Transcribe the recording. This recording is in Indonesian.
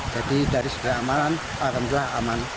jadi dari sudara aman akan sudah aman